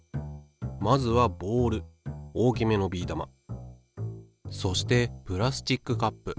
まずはボール大きめのビー玉そしてプラスチックカップ。